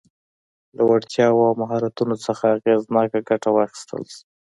له وړتیاوو او مهارتونو څخه اغېزناکه ګټه واخیستل شي.